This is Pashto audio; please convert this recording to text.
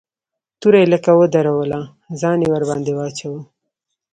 توره يې لکه ودروله ځان يې ورباندې واچاوه.